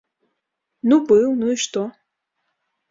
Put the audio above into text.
Ну быў, ну і што?